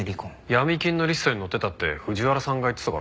闇金のリストに載ってたって藤原さんが言ってたからな。